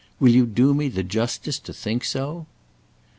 Will you do me the justice to think so?"